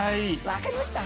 分かりました？